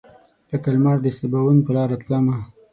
لکه لمر دسباوون پر لاروتلمه